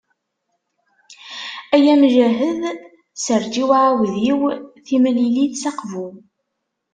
Ay amjahed serǧ i uɛudiw, timlilit s Aqbu.